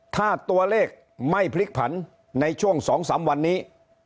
ถ้าตัวเลขไม่พลิกผันในช่วง๒๓วันนี้